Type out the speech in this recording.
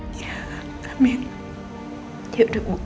kami yakin allah akan melindungi pak aldebaran